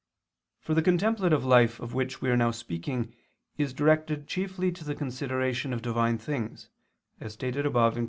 For the contemplative life of which we are now speaking is directed chiefly to the consideration of divine things, as stated above (Q.